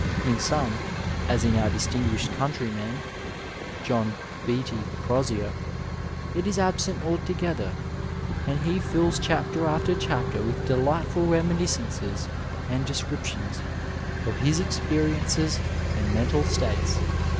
In some, ad in our distinguished countryman, John Beattie Crozier, it is absent altogeth^, and he Ms chapter after chapter with delightful reminiscences and descriptions of his experiences and mental states.